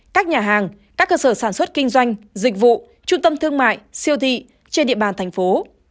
các nhà hàng các cơ sở sản xuất kinh doanh dịch vụ trung tâm thương mại siêu thị trên địa bàn thành phố